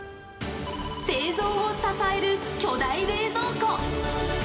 製造を支える巨大冷蔵庫。